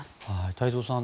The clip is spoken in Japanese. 太蔵さん